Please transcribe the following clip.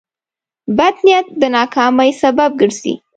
بد نیت د ناکامۍ سبب ګرځي.